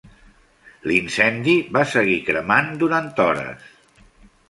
L'incendi va seguir cremant durant hores.